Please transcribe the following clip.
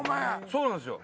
そうなんすよ。